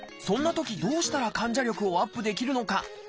そんなときどうしたら患者力をアップできるのか。